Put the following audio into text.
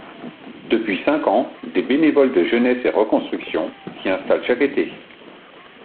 Depuis cinq ans, des bénévoles de jeunesse et reconstruction s'y installent chaque été.